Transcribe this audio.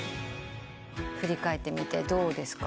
振り返ってみてどうですか？